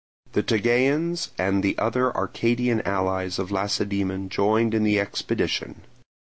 The Tegeans and the other Arcadian allies of Lacedaemon joined in the expedition.